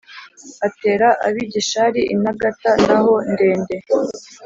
atera ab’i gishari intagata ntaho-ndende.